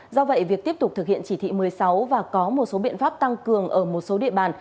do vậy việc tiếp tục thực hiện chỉ thị một mươi sáu và có một số biện pháp tăng cường ở một số địa bàn